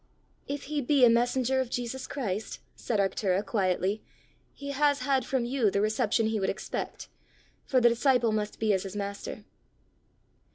"If he be a messenger of Jesus Christ," said Arctura, quietly, "he has had from you the reception he would expect, for the disciple must be as his master."